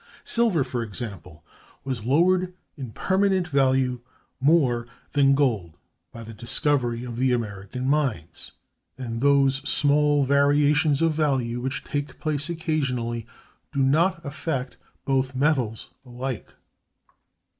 Silver, for example, was lowered in permanent value more than gold by the discovery of the American mines; and those small variations of value which take place occasionally do not affect both metals alike.